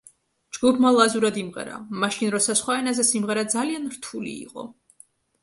ჯგუფმა ლაზურად იმღერა, მაშინ როცა სხვა ენაზე სიმღერა ძალიან რთული იყო.